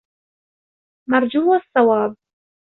مَرْجُوَّ الصَّوَابِ